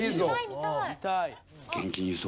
見たい。